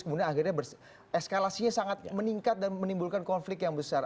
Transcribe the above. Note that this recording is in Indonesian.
kemudian akhirnya eskalasinya sangat meningkat dan menimbulkan konflik yang besar